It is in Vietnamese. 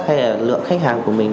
hay là lượng khách hàng của mình